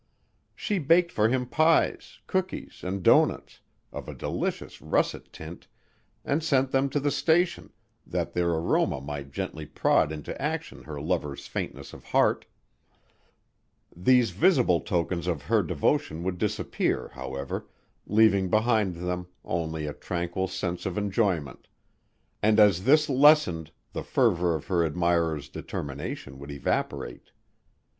She baked for him pies, cookies, and doughnuts of a delicious russet tint and sent them to the station, that their aroma might gently prod into action her lover's faintness of heart; these visible tokens of her devotion would disappear, however, leaving behind them only a tranquil sense of enjoyment; and as this lessened the fervor of her admirer's determination would evaporate.